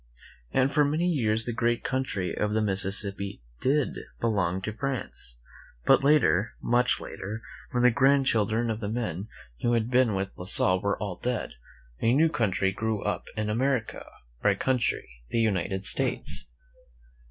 And for many years the great country of the Mississippi t^iai belong to France. But later, much later, when the grandchildren of the men ?; who had been with La Salle were all dead, a new country grew up in America — our country, the United States.